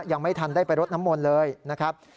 ยังไม่ทันได้ไปรดน้ำมนต์เลยนะครับ